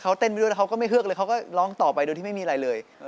เขาเต้นไปด้วยแล้วเขาก็ไม่เฮือกเลยเขาก็ร้องต่อไปโดยที่ไม่มีอะไรเลย